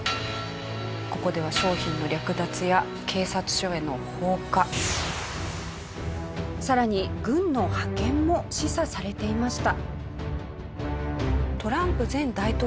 ここでは商品の略奪や警察署への放火更に軍の派遣も示唆されていました。